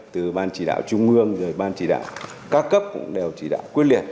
từ ban chỉ đạo trung ương ban chỉ đạo ca cấp cũng đều chỉ đạo quyết liệt